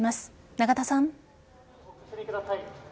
永田さん。